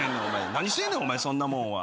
何してんねんお前そんなもん。